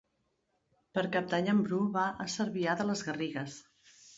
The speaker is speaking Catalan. Per Cap d'Any en Bru va a Cervià de les Garrigues.